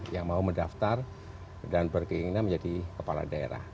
yang mau mendaftar dan berkeinginan menjadi kepala daerah